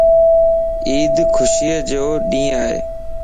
عيد خوشيءَ جو ڏينھن ائي